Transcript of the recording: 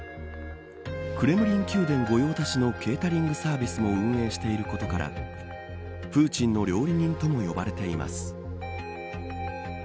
クレムリン宮殿御用達のケータリングサービスも運営していることからプーチンの料理人とも呼ばれています。